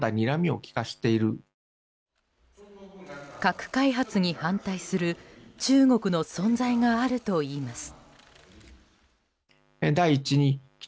核開発に反対する中国の存在があるといいます。